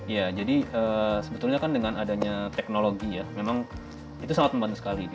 ya jadi sebetulnya kan dengan adanya teknologi ya memang itu sangat membantu sekali